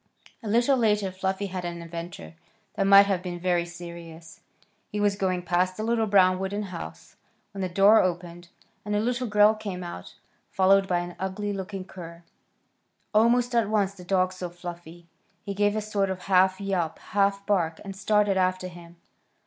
A little later Fluffy had an adventure that might have been very serious. He was going past a little brown wooden house when the door opened, and a little girl came out, followed by an ugly looking cur. Almost at once the dog saw Fluffy. He gave a sort of half yelp, half bark, and started after him.